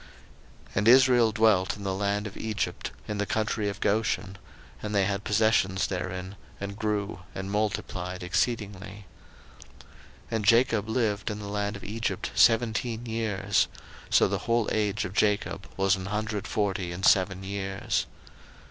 01:047:027 And Israel dwelt in the land of Egypt, in the country of Goshen; and they had possessions therein, and grew, and multiplied exceedingly. 01:047:028 And Jacob lived in the land of Egypt seventeen years: so the whole age of Jacob was an hundred forty and seven years.